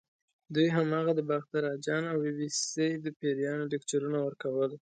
دوی هماغه د باختر اجان او بي بي سۍ د پیریانو لیکچرونه ورکول.